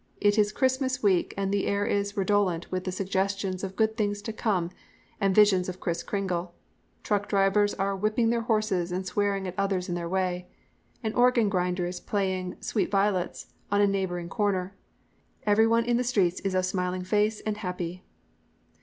It is Christmas week and the air is redolent with the suggestions of good things to come and visions of Kriss Kringle. Truck drivers are whipping their horses and swearing at others in their way. An organ grinder is playing 'Sweet violets' on a neighbouring corner. Everyone in the streets is of smiling face and happy."